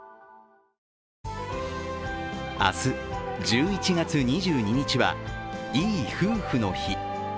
明日１１月２２日はいい夫婦の日。